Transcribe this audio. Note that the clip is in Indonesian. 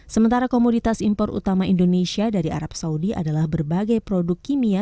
sementara komoditas impor utama indonesia dari arab saudi adalah berbagai produk kimia